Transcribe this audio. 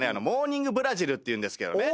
『モーニングブラジル』っていうんですけど。